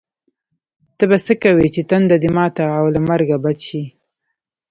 ته به څه کوې چې تنده دې ماته او له مرګه بچ شې.